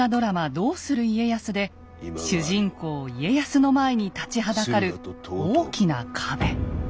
「どうする家康」で主人公・家康の前に立ちはだかる大きな壁。